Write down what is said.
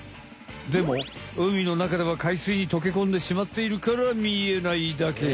でも海の中では海水に溶けこんでしまっているから見えないだけ。